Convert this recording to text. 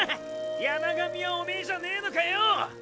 山神はおめーじゃねェのかよ！